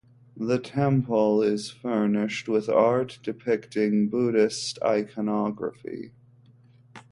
The temple is furnished with art depicting Buddhist iconography.